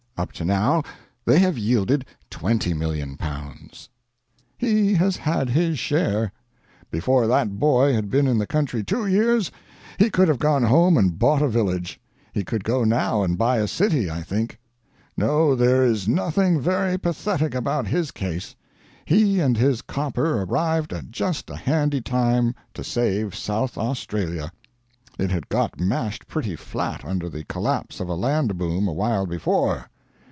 Up to now they have yielded L20,000,000. He has had his share. Before that boy had been in the country two years he could have gone home and bought a village; he could go now and buy a city, I think. No, there is nothing very pathetic about his case. He and his copper arrived at just a handy time to save South Australia. It had got mashed pretty flat under the collapse of a land boom a while before."